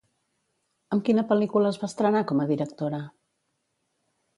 Amb quina pel·lícula es va estrenar com a directora?